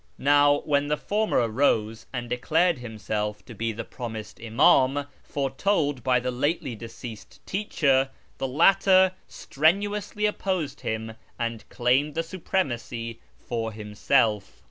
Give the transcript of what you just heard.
Now when the former arose and declared himself to be the promised Imam, foretold by the lately deceased teacher, the latter strenuously opposed him, and claimed the supremacy for himself.